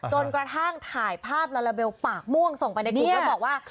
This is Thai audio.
กระทั่งถ่ายภาพลาลาเบลปากม่วงส่งไปในกลุ่มแล้วบอกว่า